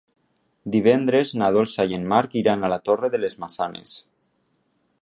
Divendres na Dolça i en Marc iran a la Torre de les Maçanes.